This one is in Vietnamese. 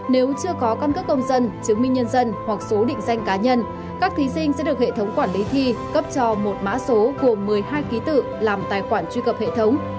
nếu chưa có căn cước công dân chứng minh nhân dân hoặc số định danh cá nhân các thí sinh sẽ được hệ thống quản lý thi cấp cho một mã số gồm một mươi hai ký tự làm tài khoản truy cập hệ thống